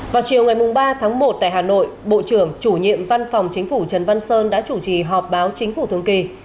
vào chiều ngày ba tháng một tại hà nội bộ trưởng chủ nhiệm văn phòng chính phủ trần văn sơn đã chủ trì họp báo chính phủ thường kỳ